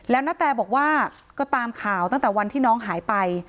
แล้วณแตบอกว่าก็ตามข่าวตั้งแต่วันที่น้องหายไป